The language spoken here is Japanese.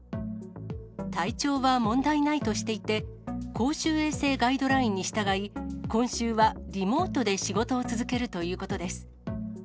体調は問題ないとしていて、公衆衛生ガイドラインに従い、今週はリモートで仕事を続けるということです。